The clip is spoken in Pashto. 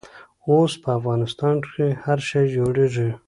اوس په افغانستان کښې هر شی جوړېږي.